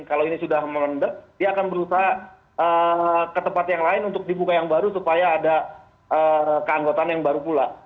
kalau ini sudah melendek dia akan berusaha ke tempat yang lain untuk dibuka yang baru supaya ada keanggotaan yang baru pula